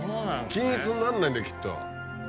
均一になんないんだよきっと。